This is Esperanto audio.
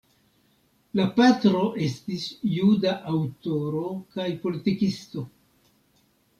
La patro estis juda aŭtoro kaj politikisto.